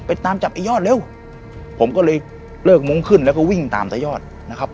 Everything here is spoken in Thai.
ตามจับไอ้ยอดเร็วผมก็เลยเลิกมุ้งขึ้นแล้วก็วิ่งตามตะยอดนะครับ